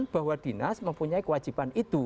bahwa dinas mempunyai kewajiban itu